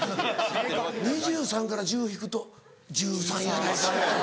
２３から１０引くと１３やないかい。